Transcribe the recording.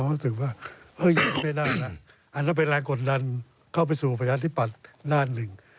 อันนั้นก็เรียกไปแล้วกดดันไปสู่ปรยธิบัตรนั้นหนึ่ง